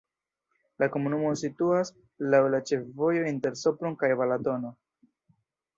La komunumo situas laŭ la ĉefvojo inter Sopron kaj Balatono.